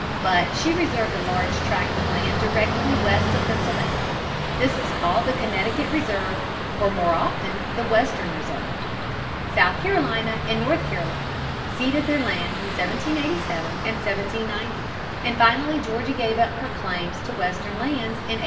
But she reserved a large tract of land directly west of Pennsylvania. This was called the Connecticut Reserve or, more often, the Western Reserve. South Carolina and North Carolina ceded their lands in 1787 and 1790, and finally Georgia gave up her claims to western lands in 1802.